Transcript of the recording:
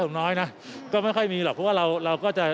ถ้าเราไปคิดอีก